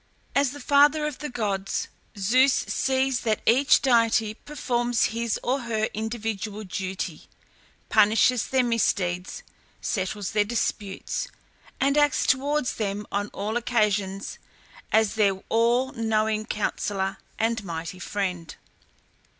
As the father of the gods, Zeus sees that each deity performs his or her individual duty, punishes their misdeeds, settles their disputes, and acts towards them on all occasions as their all knowing counsellor and mighty friend.